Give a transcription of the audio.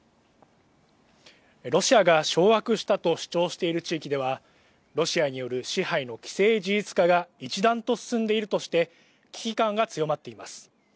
ロシアが掌握したと主張している地域ではロシアによる支配の既成事実化が一段と進んでいるとして危機感が強まっています。